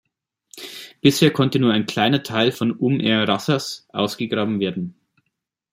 Bisher konnte nur ein kleiner Teil von Umm er-Rasas ausgegraben werden.